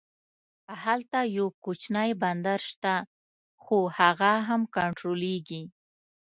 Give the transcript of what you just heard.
هلته یو کوچنی بندر شته خو هغه هم کنټرولېږي.